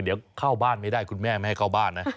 เดี๋ยวเข้าบ้านไม่ได้คุณแม่ไม่ให้เข้าบ้านนะ